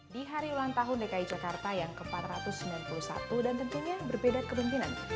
di hari ulang tahun dki jakarta yang ke empat ratus sembilan puluh satu dan tentunya berbeda kepemimpinan